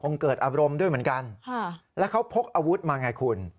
เกิดอารมณ์ด้วยเหมือนกันแล้วเขาพกอาวุธมาไงคุณ